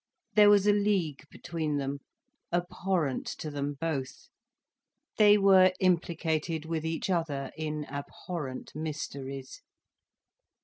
There was a league between them, abhorrent to them both. They were implicated with each other in abhorrent mysteries.